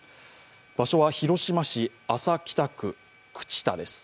場所は広島市安佐北区口田です。